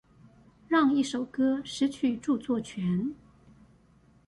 讓一首歌失去著作權